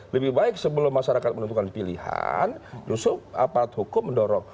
lebih baik sebelum masyarakat menentukan pilihan justru aparat hukum mendorong